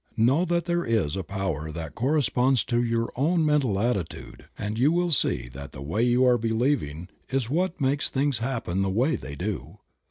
Know that there is a power that corresponds to your own mental attitude and Creative Mind. 43 you will see that the way you are believing is what makes things happen the way they do.